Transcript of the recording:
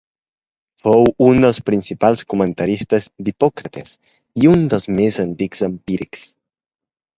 Fou un dels principals comentaristes d'Hipòcrates i un dels més antics empírics.